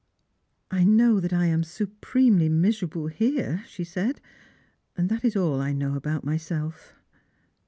" I know that I am supremely miserable here," she said, " and that is all I know about myself."